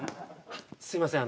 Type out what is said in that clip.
あっすいません